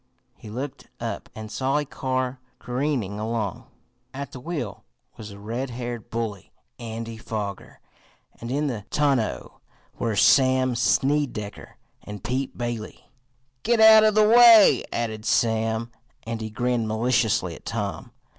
He looked up, and saw a car careening along. At the wheel was the red haired bully, Andy Foger, and in the tonneau were Sam Snedecker and Pete Bailey. "Git out of the way," added Sam, and he grinned maliciously at Tom.